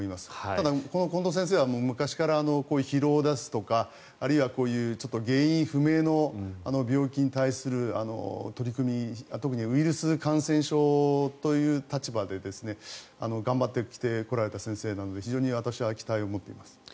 ただ、近藤先生は昔から疲労ですとかあるいは、ちょっと原因不明の病気に対する取り組み特にウイルス感染症という立場で頑張ってきてこられた先生なので非常に私は期待を持っています。